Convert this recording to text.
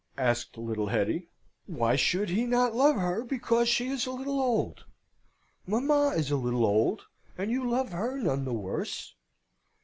asked little Hetty. "Why should he not love her because she is a little old? Mamma is a little old, and you love her none the worse.